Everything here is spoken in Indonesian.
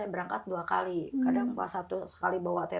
sekarang tidak karena biaya itu tidak terapi